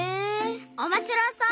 おもしろそう！